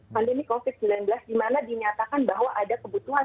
pandemi covid sembilan belas di mana dinyatakan bahwa ada kebutuhan